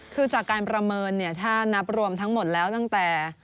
คือจากการประเมินเนี่ยถ้านับรวมทั้งหมดแล้วตั้งแต่